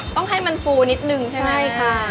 ต้องให้มันฟูนิดหนึ่งใช่ไหม